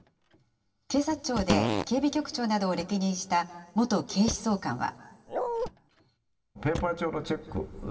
警察庁で警備局長などを歴任した元警視総監は。